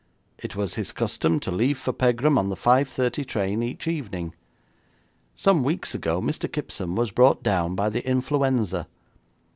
It was his custom to leave for Pegram on the 5.30 train each evening. Some weeks ago, Mr. Kipson was brought down by the influenza.